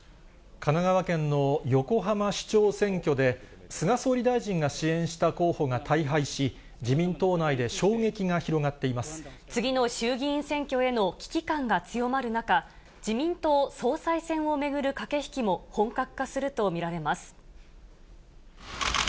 神奈川県の横浜市長選挙で、菅総理大臣が支援した候補が大敗し、次の衆議院選挙への危機感が強まる中、自民党総裁選を巡る駆け引きも本格化すると見られます。